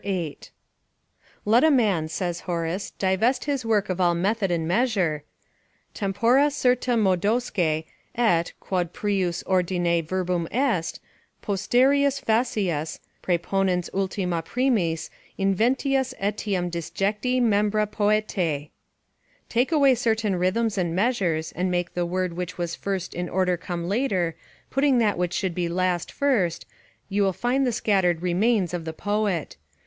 8.] Let a man, says Horace, divest his work of all method and measure, "Tempora certa modosque, et, quod prius ordine verbum est, Posterius facias, praeponens ultima primis Invenias etiam disjecti membra poetae." ["Take away certain rhythms and measures, and make the word which was first in order come later, putting that which should be last first, you will still find the scattered remains of the poet."